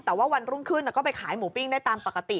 แต่ว่าวันรุ่งขึ้นก็ไปขายหมูปิ้งได้ตามปกติ